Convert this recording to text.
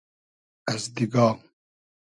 از دیگا